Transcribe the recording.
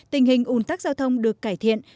tình hình ủn tắc giao thông được cải thiện